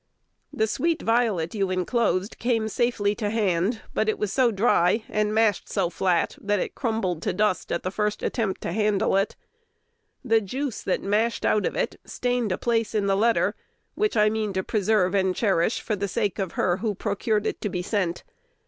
The sweet violet you enclosed came safely to hand, but it was so dry, and mashed so flat, that it crumbled to dust at the first attempt to handle it. The juice that mashed out of it stained a place in the letter, which I mean to preserve and cherish for the sake of her who procured it to be sent.